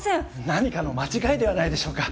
何かの間違いではないでしょうか？